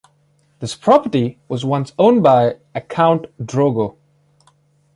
This property was once owned by a Count Drogo.